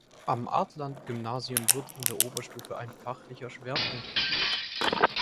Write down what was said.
Am Artland-Gymnasium wird in der Oberstufe ein fachlicher Schwerpunkt gewählt.